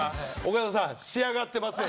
「岡田さん仕上がってますね」。